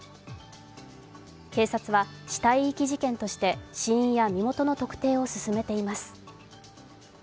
警察は死体遺棄事件として死因や身元の特定を進めています。